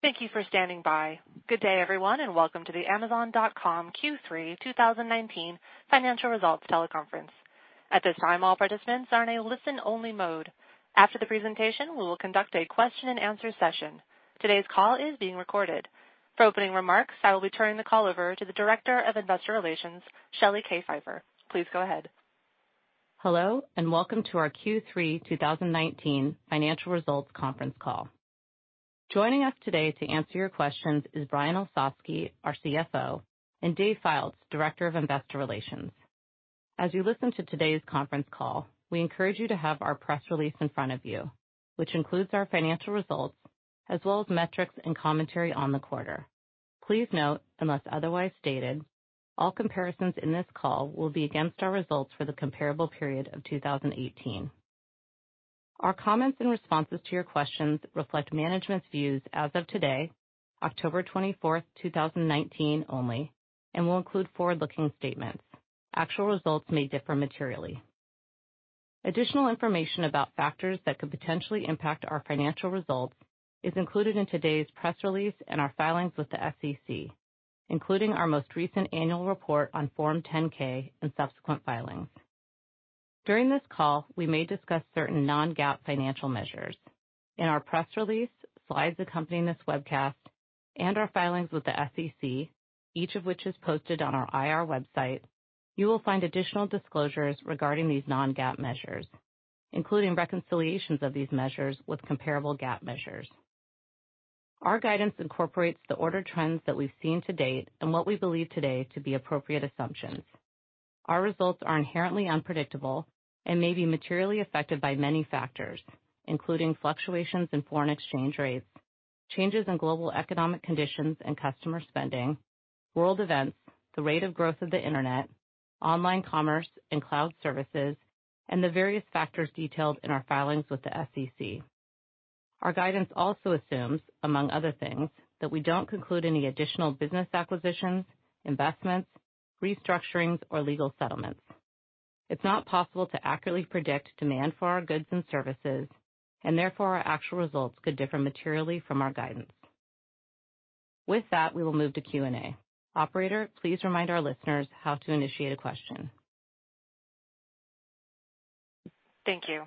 Thank you for standing by. Good day, everyone, and welcome to the Amazon.com Q3 2019 financial results teleconference. At this time, all participants are in a listen-only mode. After the presentation, we will conduct a question and answer session. Today's call is being recorded. For opening remarks, I will be turning the call over to the Director of Investor Relations, Shelly Kay Pfeiffer. Please go ahead. Hello, and welcome to our Q3 2019 financial results conference call. Joining us today to answer your questions is Brian Olsavsky, our CFO, and Dave Fildes, Director of Investor Relations. As you listen to today's conference call, we encourage you to have our press release in front of you, which includes our financial results, as well as metrics and commentary on the quarter. Please note, unless otherwise stated, all comparisons in this call will be against our results for the comparable period of 2018. Our comments and responses to your questions reflect management's views as of today, October 24th, 2019, only, and will include forward-looking statements. Actual results may differ materially. Additional information about factors that could potentially impact our financial results is included in today's press release and our filings with the SEC, including our most recent annual report on Form 10-K and subsequent filings. During this call, we may discuss certain non-GAAP financial measures. In our press release, slides accompanying this webcast, and our filings with the SEC, each of which is posted on our IR website, you will find additional disclosures regarding these non-GAAP measures, including reconciliations of these measures with comparable GAAP measures. Our guidance incorporates the order trends that we've seen to date and what we believe today to be appropriate assumptions. Our results are inherently unpredictable and may be materially affected by many factors, including fluctuations in foreign exchange rates, changes in global economic conditions and customer spending, world events, the rate of growth of the internet, online commerce and cloud services, and the various factors detailed in our filings with the SEC. Our guidance also assumes, among other things, that we don't conclude any additional business acquisitions, investments, restructurings, or legal settlements. It's not possible to accurately predict demand for our goods and services, and therefore, our actual results could differ materially from our guidance. With that, we will move to Q&A. Operator, please remind our listeners how to initiate a question. Thank you.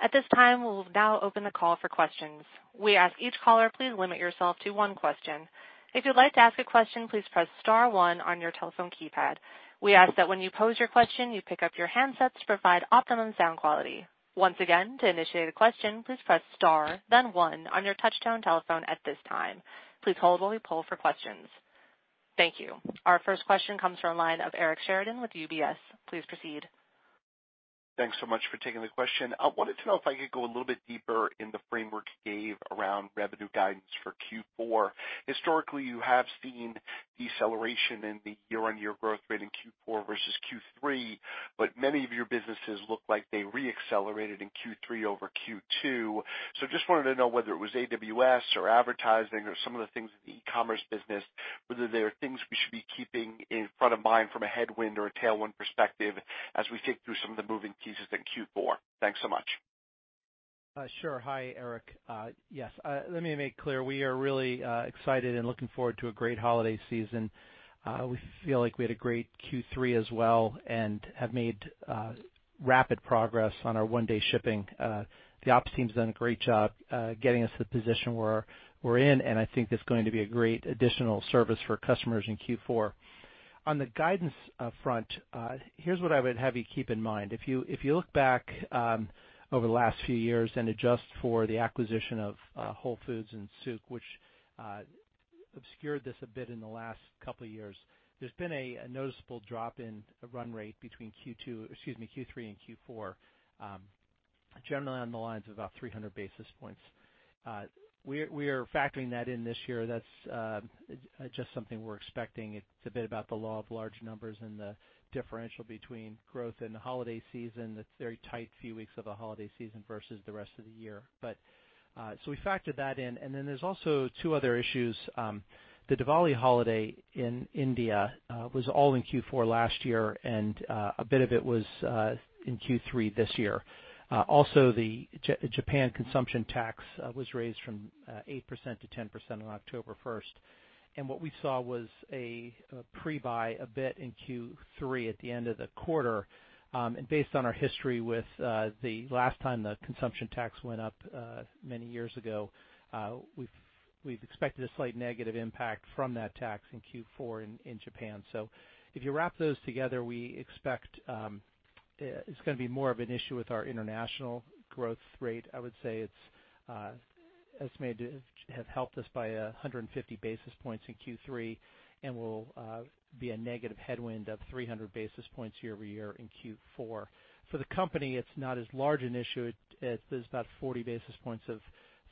At this time, we'll now open the call for questions. We ask each caller, please limit yourself to one question. If you'd like to ask a question, please press star one on your telephone keypad. We ask that when you pose your question, you pick up your handsets to provide optimum sound quality. Once again, to initiate a question, please press star, then one on your touch-tone telephone at this time. Please hold while we poll for questions. Thank you. Our first question comes from the line of Eric Sheridan with UBS. Please proceed. Thanks so much for taking the question. I wanted to know if I could go a little bit deeper in the framework you gave around revenue guidance for Q4. Historically, you have seen deceleration in the year-over-year growth rate in Q4 versus Q3, but many of your businesses look like they re-accelerated in Q3 over Q2. Just wanted to know whether it was AWS or advertising or some of the things in the e-commerce business, whether there are things we should be keeping in front of mind from a headwind or a tailwind perspective as we think through some of the moving pieces in Q4. Thanks so much. Sure. Hi, Eric. Yes. Let me make clear, we are really excited and looking forward to a great holiday season. We feel like we had a great Q3 as well and have made rapid progress on our One-Day Shipping. The ops team's done a great job, getting us the position where we're in, and I think that's going to be a great additional service for customers in Q4. On the guidance front, here's what I would have you keep in mind. If you look back over the last few years and adjust for the acquisition of Whole Foods and Souq, which obscured this a bit in the last couple of years, there's been a noticeable drop in run rate between Q2, excuse me, Q3 and Q4, generally on the lines of about 300 basis points. We are factoring that in this year. That's just something we're expecting. It's a bit about the law of large numbers and the differential between growth in the holiday season, that very tight few weeks of a holiday season versus the rest of the year. We factored that in, and then there's also two other issues. The Diwali holiday in India was all in Q4 last year, and a bit of it was in Q3 this year. Also, the Japan consumption tax was raised from 8% to 10% on October 1st, and what we saw was a pre-buy a bit in Q3 at the end of the quarter. Based on our history with the last time the consumption tax went up, many years ago, we've expected a slight negative impact from that tax in Q4 in Japan. If you wrap those together, we expect it's going to be more of an issue with our international growth rate. I would say it's estimated to have helped us by 150 basis points in Q3, and will be a negative headwind of 300 basis points year-over-year in Q4. For the company, it's not as large an issue. There's about 40 basis points of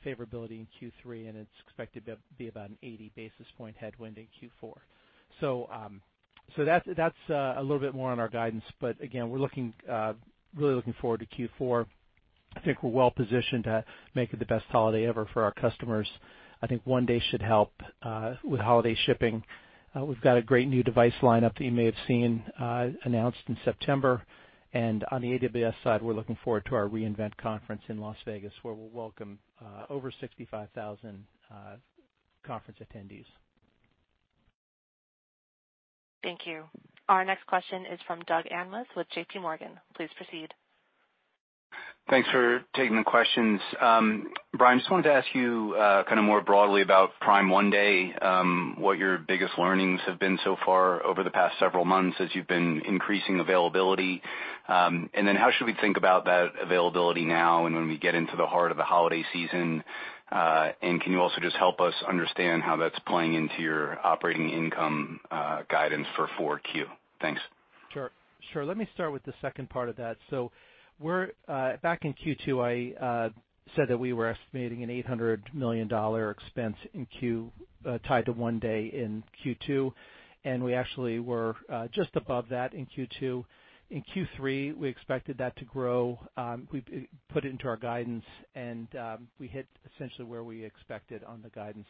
favorability in Q3, and it's expected to be about an 80 basis point headwind in Q4. That's a little bit more on our guidance, but again, we're really looking forward to Q4. I think we're well-positioned to make it the best holiday ever for our customers. I think One-Day should help with holiday shipping. We've got a great new device lineup that you may have seen announced in September. On the AWS side, we're looking forward to our re:Invent conference in Las Vegas, where we'll welcome over 65,000 conference attendees. Thank you. Our next question is from Doug Anmuth with J.P. Morgan. Please proceed. Thanks for taking the questions. Brian, just wanted to ask you more broadly about Prime One-Day, what your biggest learnings have been so far over the past several months as you've been increasing availability. Then how should we think about that availability now and when we get into the heart of the holiday season? Can you also just help us understand how that's playing into your operating income guidance for 4Q? Thanks. Sure. Let me start with the second part of that. Back in Q2, I said that we were estimating an $800 million expense tied to One-Day Shipping in Q2, and we actually were just above that in Q2. In Q3, we expected that to grow. We put it into our guidance, and we hit essentially where we expected on the guidance.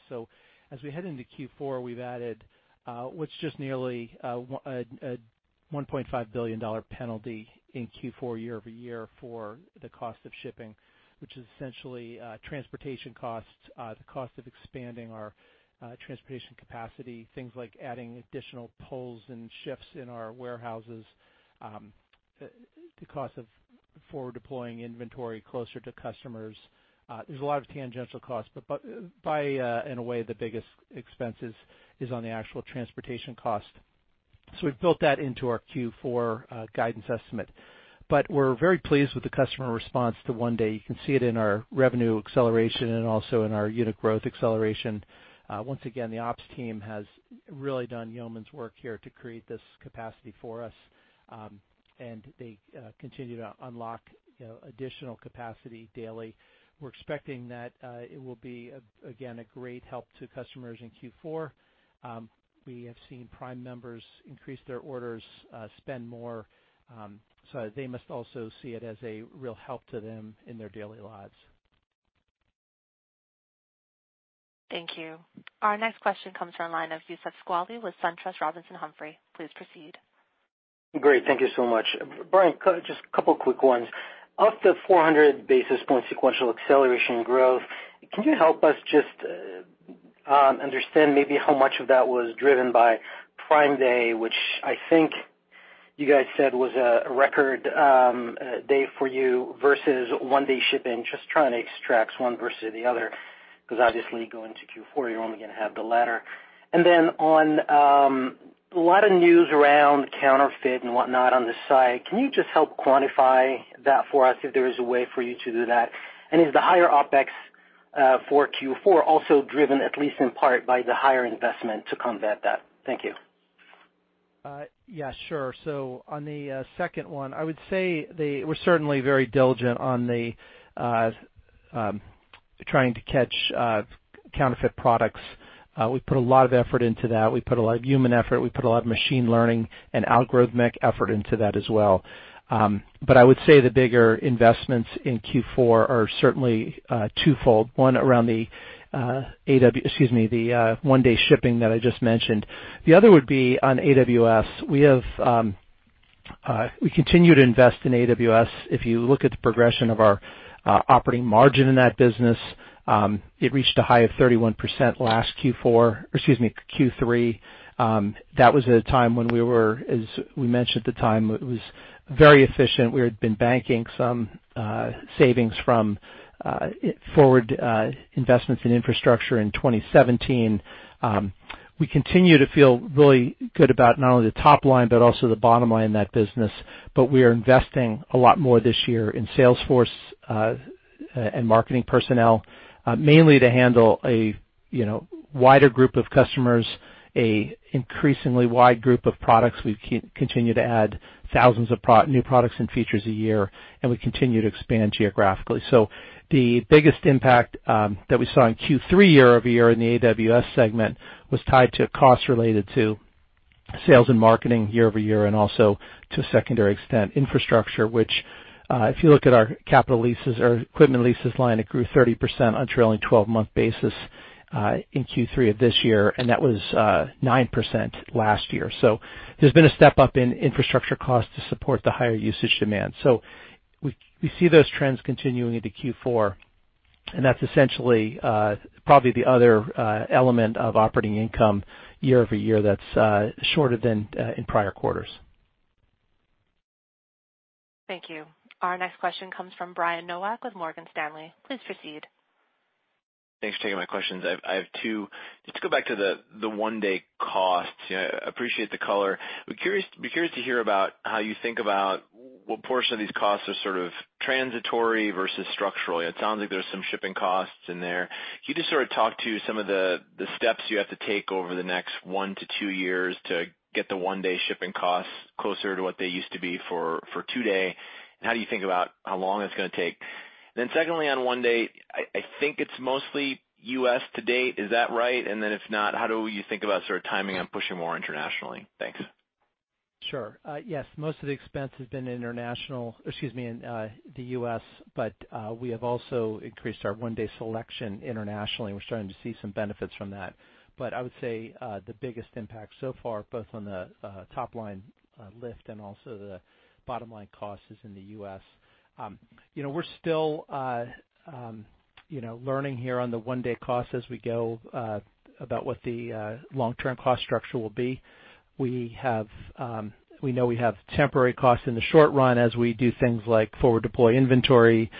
As we head into Q4, we've added what's just nearly a $1.5 billion penalty in Q4 year-over-year for the cost of shipping, which is essentially transportation costs, the cost of expanding our transportation capacity, things like adding additional poles and shifts in our warehouses, the cost of forward deploying inventory closer to customers. There's a lot of tangential costs, but by and away, the biggest expense is on the actual transportation cost. We've built that into our Q4 guidance estimate. We're very pleased with the customer response to One-Day. You can see it in our revenue acceleration and also in our unit growth acceleration. Once again, the ops team has really done yeoman's work here to create this capacity for us, and they continue to unlock additional capacity daily. We're expecting that it will be, again, a great help to customers in Q4. We have seen Prime members increase their orders, spend more, so they must also see it as a real help to them in their daily lives. Thank you. Our next question comes from the line of Youssef Squali with SunTrust Robinson Humphrey. Please proceed. Great. Thank you so much. Brian, just a couple of quick ones. Of the 400 basis point sequential acceleration growth, can you help us just understand maybe how much of that was driven by Prime Day, which I think you guys said was a record day for you, versus One-Day Shipping? Just trying to extract one versus the other, because obviously going to Q4, you're only going to have the latter. On a lot of news around counterfeit and whatnot on the site, can you just help quantify that for us, if there is a way for you to do that? Is the higher OpEx for Q4 also driven, at least in part, by the higher investment to combat that? Thank you. Yeah, sure. On the second one, I would say we're certainly very diligent on trying to catch counterfeit products. We put a lot of effort into that. We put a lot of human effort. We put a lot of machine learning and algorithmic effort into that as well. I would say the bigger investments in Q4 are certainly twofold. One around the One-Day Shipping that I just mentioned. The other would be on AWS. We continue to invest in AWS. If you look at the progression of our operating margin in that business, it reached a high of 31% last Q4, or excuse me, Q3. That was at a time when we were, as we mentioned at the time, it was very efficient. We had been banking some savings from forward investments in infrastructure in 2017. We continue to feel really good about not only the top line but also the bottom line in that business. We are investing a lot more this year in sales force and marketing personnel, mainly to handle a wider group of customers, an increasingly wide group of products. We continue to add thousands of new products and features a year, and we continue to expand geographically. The biggest impact that we saw in Q3 year-over-year in the AWS segment was tied to costs related to sales and marketing year-over-year, and also to a secondary extent, infrastructure, which, if you look at our capital leases or equipment leases line, it grew 30% on a trailing 12-month basis in Q3 of this year, and that was 9% last year. There's been a step up in infrastructure costs to support the higher usage demand. We see those trends continuing into Q4, and that's essentially probably the other element of operating income year-over-year that's shorter than in prior quarters. Thank you. Our next question comes from Brian Nowak with Morgan Stanley. Please proceed. Thanks for taking my questions. I have two. Just to go back to the One-Day Shipping costs. Appreciate the color. I'd be curious to hear about how you think about what portion of these costs are sort of transitory versus structural. It sounds like there's some shipping costs in there. Can you just sort of talk to some of the steps you have to take over the next one to two years to get the One-Day Shipping costs closer to what they used to be for two-day, and how do you think about how long it's going to take? Secondly, on One-Day Shipping, I think it's mostly U.S. to date. Is that right? If not, how do you think about sort of timing on pushing more internationally? Thanks. Sure. Yes, most of the expense has been international, excuse me, in the U.S., We have also increased our One-Day selection internationally, We're starting to see some benefits from that. I would say the biggest impact so far, both on the top-line lift and also the bottom-line cost, is in the U.S. We're still learning here on the One-Day cost as we go about what the long-term cost structure will be. We know we have temporary costs in the short run as we do things like forward deploy inventory,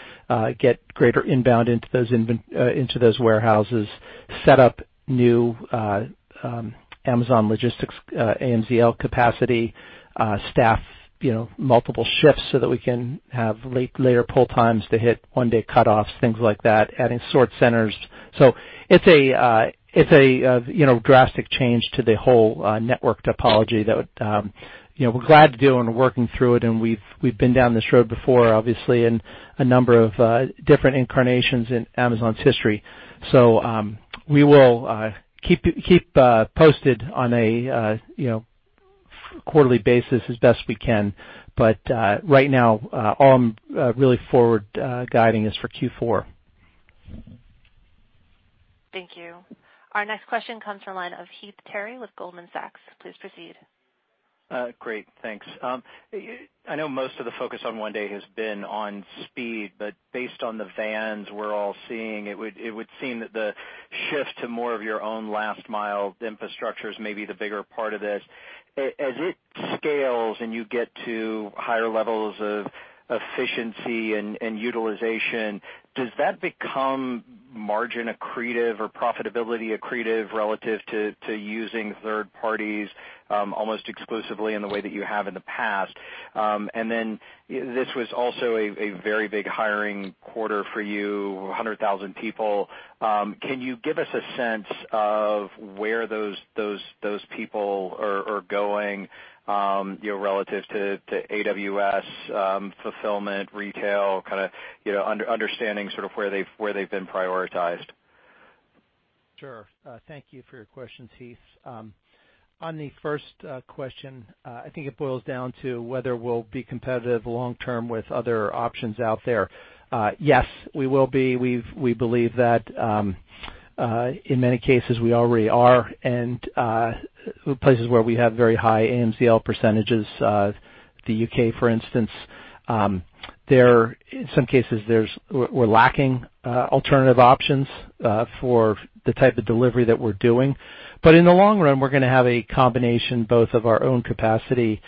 get greater inbound into those warehouses, set up new Amazon Logistics, AMZL capacity, staff multiple shifts so that we can have later pull times to hit One-Day cutoffs, things like that, adding sort centers. It's a drastic change to the whole network topology that we're glad to do, and we're working through it, and we've been down this road before, obviously, in a number of different incarnations in Amazon's history. We will keep posted on a quarterly basis as best we can. Right now, all I'm really forward guiding is for Q4. Thank you. Our next question comes from the line of Heath Terry with Goldman Sachs. Please proceed. Great, thanks. I know most of the focus on One-Day has been on speed, based on the vans we're all seeing, it would seem that the shift to more of your own last mile infrastructure is maybe the bigger part of this. As it scales and you get to higher levels of efficiency and utilization, does that become margin accretive or profitability accretive relative to using third parties almost exclusively in the way that you have in the past? This was also a very big hiring quarter for you, 100,000 people. Can you give us a sense of where those people are going relative to AWS, fulfillment, retail, kind of understanding sort of where they've been prioritized? Sure. Thank you for your question, Heath. On the first question, I think it boils down to whether we'll be competitive long term with other options out there. Yes, we will be. We believe that, in many cases, we already are, and places where we have very high AMZL percentages, the U.K., for instance, in some cases, we're lacking alternative options for the type of delivery that we're doing. In the long run, we're going to have a combination both of our own capacity,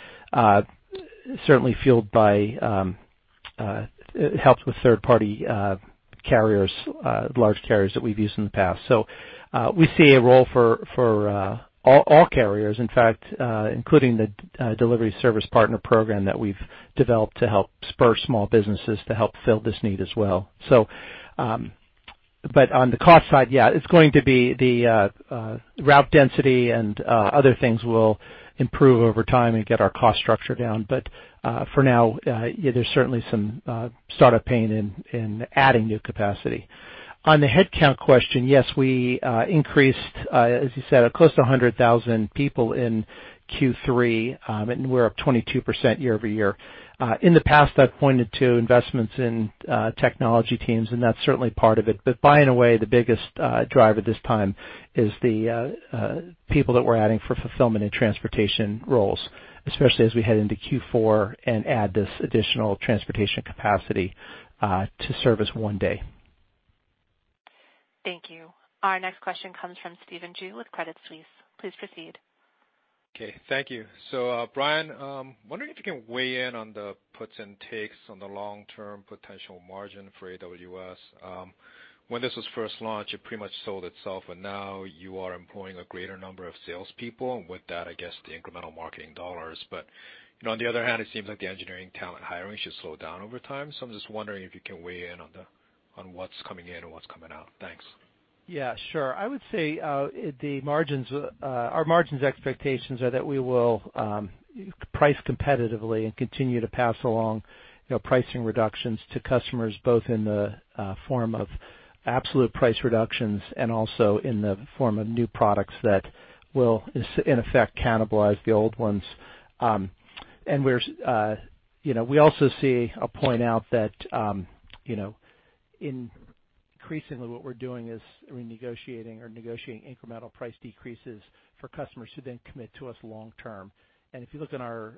certainly helped with third-party carriers, large carriers that we've used in the past. We see a role for all carriers, in fact, including the Delivery Service Partner program that we've developed to help spur small businesses to help fill this need as well. On the cost side, yeah, it's going to be the route density and other things will improve over time and get our cost structure down. For now, there's certainly some startup pain in adding new capacity. On the headcount question, yes, we increased, as you said, close to 100,000 people in Q3, and we're up 22% year-over-year. In the past, I've pointed to investments in technology teams, and that's certainly part of it. By and away, the biggest driver this time is the people that we're adding for fulfillment and transportation roles, especially as we head into Q4 and add this additional transportation capacity to service One-Day. Thank you. Our next question comes from Stephen Ju with Credit Suisse. Please proceed. Okay. Thank you. Brian, wondering if you can weigh in on the puts and takes on the long-term potential margin for AWS. When this was first launched, it pretty much sold itself, and now you are employing a greater number of salespeople, and with that, I guess the incremental marketing dollars. On the other hand, it seems like the engineering talent hiring should slow down over time. I'm just wondering if you can weigh in on what's coming in and what's coming out. Thanks. Yeah, sure. I would say our margins expectations are that we will price competitively and continue to pass along pricing reductions to customers, both in the form of absolute price reductions and also in the form of new products that will, in effect, cannibalize the old ones. We also see, I'll point out that increasingly what we're doing is renegotiating or negotiating incremental price decreases for customers who then commit to us long term. If you look in our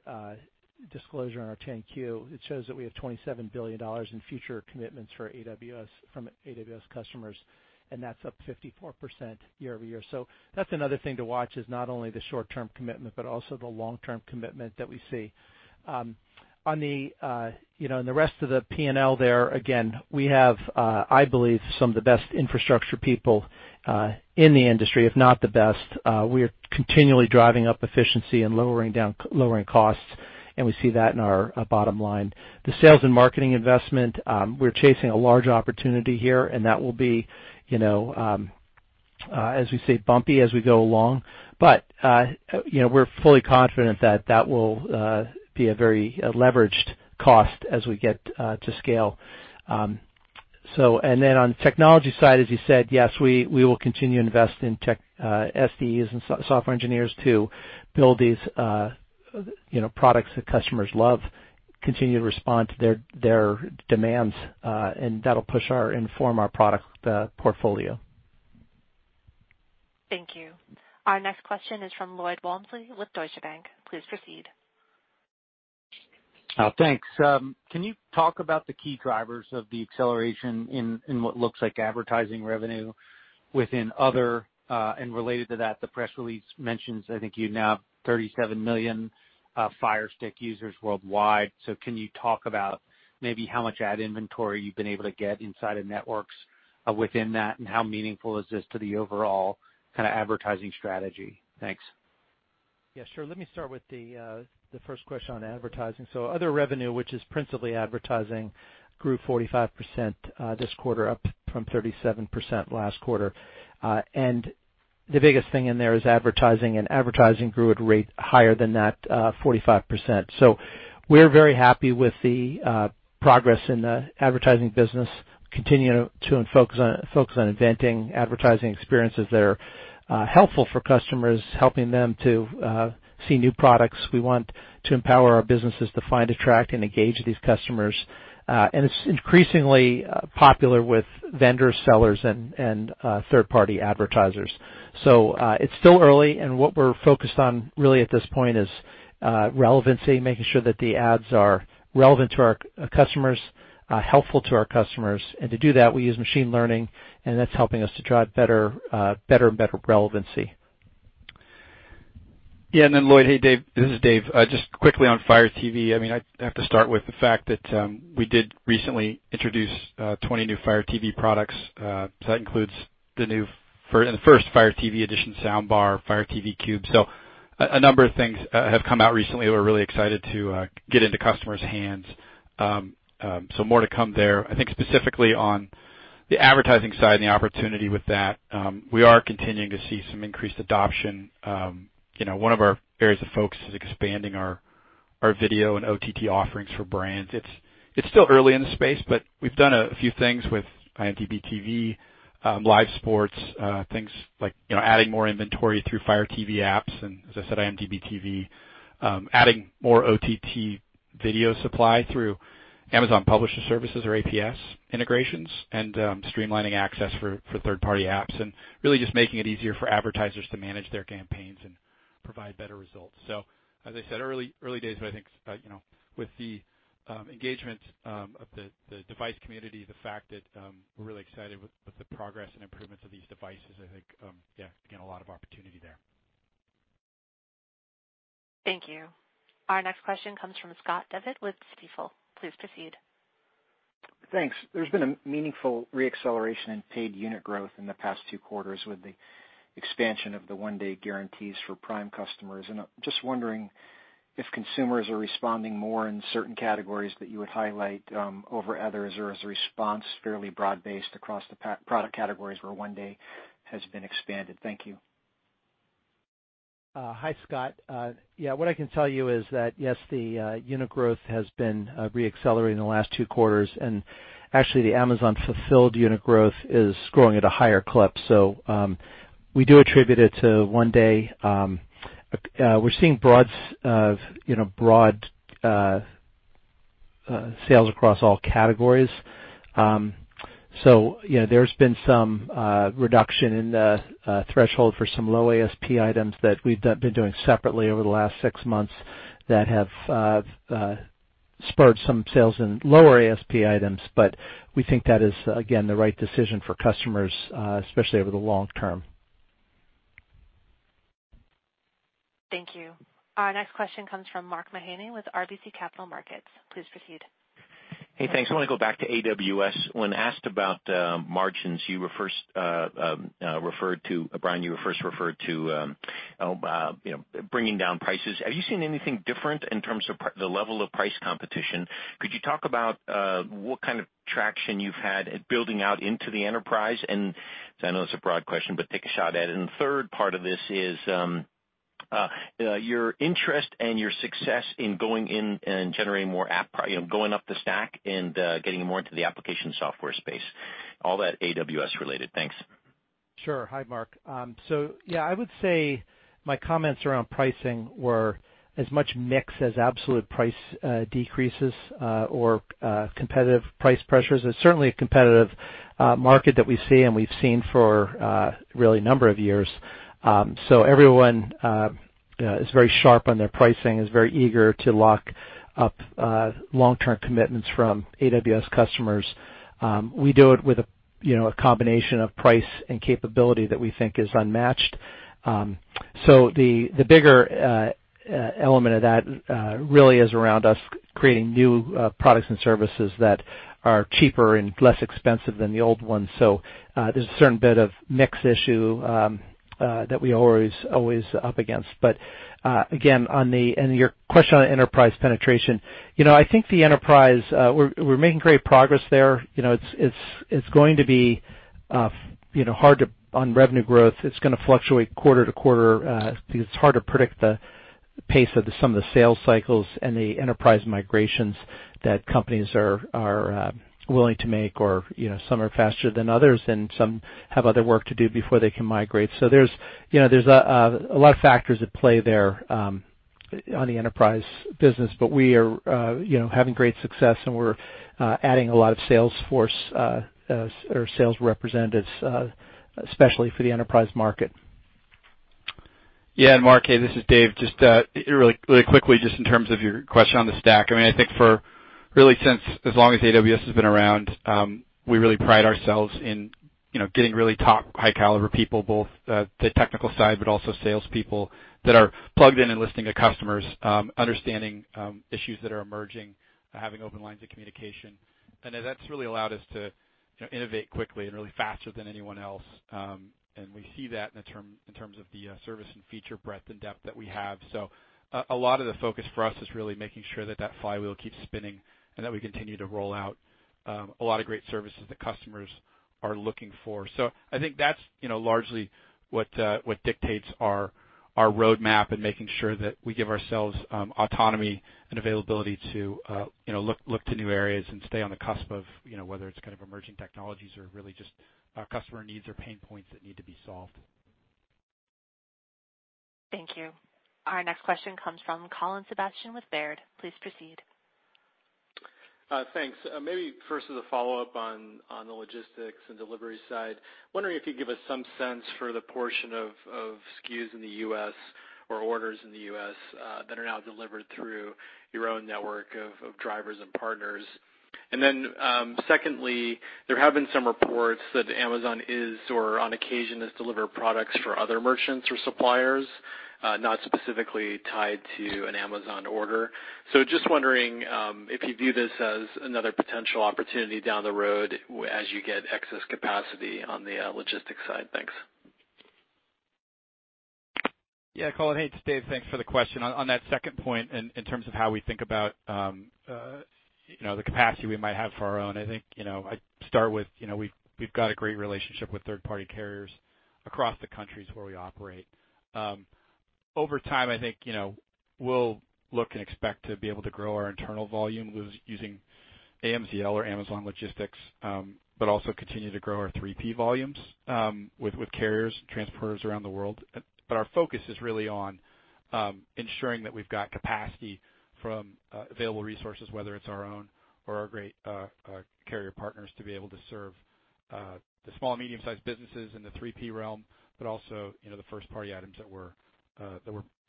disclosure on our 10-Q, it shows that we have $27 billion in future commitments from AWS customers, and that's up 54% year-over-year. That's another thing to watch, is not only the short-term commitment but also the long-term commitment that we see. On the rest of the P&L there, again, we have, I believe, some of the best infrastructure people in the industry, if not the best. We are continually driving up efficiency and lowering costs, and we see that in our bottom line. The sales and marketing investment, we're chasing a large opportunity here, and that will be, as we say, bumpy as we go along. We're fully confident that that will be a very leveraged cost as we get to scale. On the technology side, as you said, yes, we will continue to invest in tech, SDEs, and software engineers to build these products that customers love, continue to respond to their demands, and that'll inform our product portfolio. Thank you. Our next question is from Lloyd Walmsley with Deutsche Bank. Please proceed. Thanks. Can you talk about the key drivers of the acceleration in what looks like advertising revenue within other, and related to that, the press release mentions, I think you now have 37 million Fire TV Stick users worldwide. Can you talk about maybe how much ad inventory you've been able to get inside of networks within that, and how meaningful is this to the overall kind of advertising strategy? Thanks. Yeah, sure. Let me start with the first question on advertising. Other revenue, which is principally advertising, grew 45% this quarter, up from 37% last quarter. The biggest thing in there is advertising, and advertising grew at a rate higher than that 45%. We're very happy with the progress in the advertising business, continue to focus on inventing advertising experiences that are helpful for customers, helping them to see new products. We want to empower our businesses to find, attract, and engage these customers. It's increasingly popular with vendors, sellers, and third-party advertisers. It's still early, and what we're focused on really at this point is relevancy, making sure that the ads are relevant to our customers, helpful to our customers. To do that, we use machine learning, and that's helping us to drive better and better relevancy. Yeah, Lloyd, hey Dave, this is Dave. Just quickly on Fire TV, I have to start with the fact that we did recently introduce 20 new Fire TV products. That includes the new and the first Fire TV Edition soundbar, Fire TV Cube. A number of things have come out recently we're really excited to get into customers' hands. More to come there. I think specifically on the advertising side and the opportunity with that, we are continuing to see some increased adoption. One of our areas of focus is expanding our video and OTT offerings for brands. It's still early in the space, but we've done a few things with IMDb TV, live sports, things like adding more inventory through Fire TV apps, and as I said, IMDb TV, adding more OTT video supply through Amazon Publisher Services or APS integrations, and streamlining access for third-party apps, and really just making it easier for advertisers to manage their campaigns and provide better results. As I said, early days, but I think with the engagement of the device community, the fact that we're really excited with the progress and improvements of these devices, I think, yeah, again, a lot of opportunity there. Thank you. Our next question comes from Scott Devitt with Stifel. Please proceed. Thanks. There's been a meaningful re-acceleration in paid unit growth in the past two quarters with the expansion of the one-day guarantees for Prime customers, and I'm just wondering if consumers are responding more in certain categories that you would highlight over others, or is the response fairly broad-based across the product categories where one day has been expanded? Thank you. Hi, Scott. Yeah, what I can tell you is that, yes, the unit growth has been re-accelerating the last two quarters, and actually the Amazon-fulfilled unit growth is growing at a higher clip. We do attribute it to One-Day Shipping. We're seeing broad sales across all categories. There's been some reduction in the threshold for some low ASP items that we've been doing separately over the last six months that have spurred some sales in lower ASP items. We think that is, again, the right decision for customers, especially over the long term. Thank you. Our next question comes from Mark Mahaney with RBC Capital Markets. Please proceed. Hey, thanks. I want to go back to AWS. When asked about margins, Brian, you first referred to bringing down prices. Have you seen anything different in terms of the level of price competition? Could you talk about what kind of traction you've had at building out into the enterprise? I know it's a broad question, but take a shot at it. The third part of this is your interest and your success in going in and generating more going up the stack and getting more into the application software space. All that AWS related. Thanks. Sure. Hi, Mark. I would say my comments around pricing were as much mix as absolute price decreases or competitive price pressures. It's certainly a competitive market that we see and we've seen for really a number of years. Everyone is very sharp on their pricing, is very eager to lock up long-term commitments from AWS customers. We do it with a combination of price and capability that we think is unmatched. The bigger element of that really is around us creating new products and services that are cheaper and less expensive than the old ones. There's a certain bit of mix issue that we're always up against. Again, on your question on enterprise penetration, I think the enterprise, we're making great progress there. On revenue growth, it's going to fluctuate quarter to quarter. It's hard to predict the pace of some of the sales cycles and the enterprise migrations that companies are willing to make, or some are faster than others, and some have other work to do before they can migrate. There's a lot of factors at play there on the enterprise business. We are having great success, and we're adding a lot of sales force, or sales representatives, especially for the enterprise market. Yeah. Mark, this is Dave. Just really quickly, just in terms of your question on the stack, I think for really since as long as AWS has been around, we really pride ourselves in getting really top, high-caliber people, both the technical side, but also salespeople that are plugged in and listening to customers, understanding issues that are emerging, having open lines of communication. That's really allowed us to innovate quickly and really faster than anyone else. We see that in terms of the service and feature breadth and depth that we have. A lot of the focus for us is really making sure that that flywheel keeps spinning and that we continue to roll out a lot of great services that customers are looking for. I think that's largely what dictates our roadmap and making sure that we give ourselves autonomy and availability to look to new areas and stay on the cusp of whether it's kind of emerging technologies or really just our customer needs or pain points that need to be solved. Thank you. Our next question comes from Colin Sebastian with Baird. Please proceed. Thanks. Maybe first as a follow-up on the logistics and delivery side, wondering if you could give us some sense for the portion of SKUs in the U.S. or orders in the U.S. that are now delivered through your own network of drivers and partners. Secondly, there have been some reports that Amazon is, or on occasion, has delivered products for other merchants or suppliers, not specifically tied to an Amazon order. Just wondering if you view this as another potential opportunity down the road as you get excess capacity on the logistics side. Thanks. Yeah, Colin, hey, it's Dave. Thanks for the question. On that second point, in terms of how we think about the capacity we might have for our own, I think, I start with we've got a great relationship with third-party carriers across the countries where we operate. Over time, I think, we'll look and expect to be able to grow our internal volume using AMZL or Amazon Logistics, but also continue to grow our 3P volumes with carriers, transporters around the world. Our focus is really on ensuring that we've got capacity from available resources, whether it's our own or our great carrier partners, to be able to serve the small and medium-sized businesses in the 3P realm, but also the first-party items that we're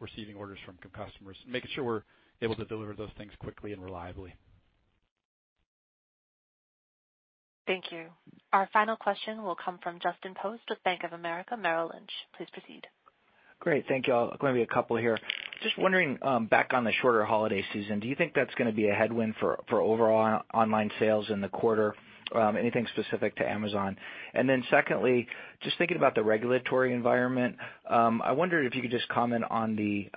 receiving orders from customers, making sure we're able to deliver those things quickly and reliably. Thank you. Our final question will come from Justin Post with Bank of America Merrill Lynch. Please proceed. Great. Thank you all. Going to be a couple here. Just wondering, back on the shorter holiday season, do you think that's going to be a headwind for overall online sales in the quarter? Anything specific to Amazon? Secondly, just thinking about the regulatory environment, I wonder if you could just comment on the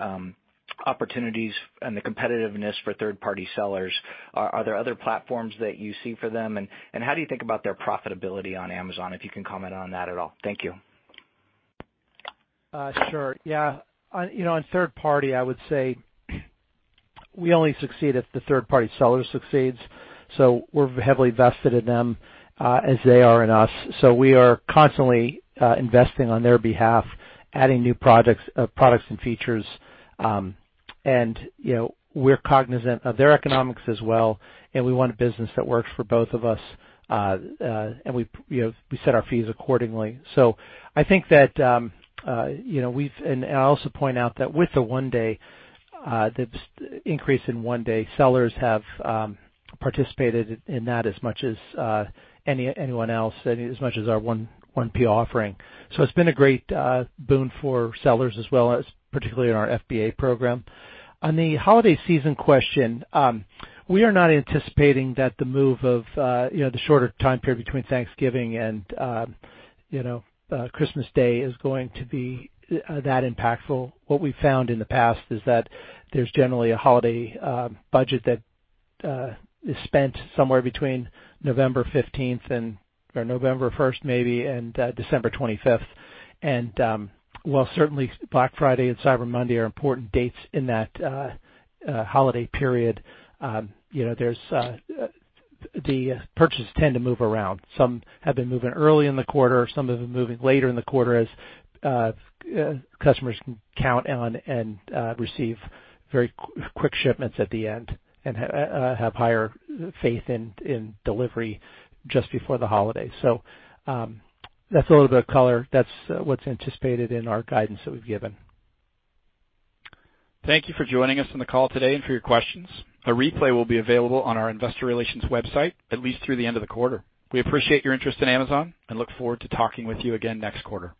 opportunities and the competitiveness for third-party sellers. Are there other platforms that you see for them, and how do you think about their profitability on Amazon, if you can comment on that at all? Thank you. Sure. Yeah. On third party, I would say we only succeed if the third-party seller succeeds. We're heavily vested in them as they are in us. We are constantly investing on their behalf, adding new products and features. We're cognizant of their economics as well, and we want a business that works for both of us. We set our fees accordingly. I think that, and I'll also point out that with the One Day, the increase in One Day, sellers have participated in that as much as anyone else, as much as our 1P offering. It's been a great boon for sellers as well as particularly in our FBA program. On the holiday season question, we are not anticipating that the move of the shorter time period between Thanksgiving and Christmas Day is going to be that impactful. What we've found in the past is that there's generally a holiday budget that is spent somewhere between November 15th and, or November 1st maybe, and December 25th. While certainly Black Friday and Cyber Monday are important dates in that holiday period, the purchases tend to move around. Some have been moving early in the quarter, some have been moving later in the quarter as customers can count on and receive very quick shipments at the end and have higher faith in delivery just before the holiday. That's a little bit of color. That's what's anticipated in our guidance that we've given. Thank you for joining us on the call today and for your questions. A replay will be available on our investor relations website, at least through the end of the quarter. We appreciate your interest in Amazon and look forward to talking with you again next quarter.